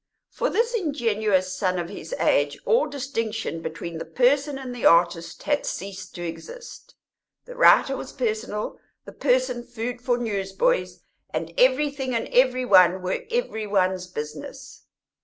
For this ingenuous son of his age all distinction between the person and the artist had ceased to exist; the writer was personal, the person food for newsboys, and everything and every one were every one's business.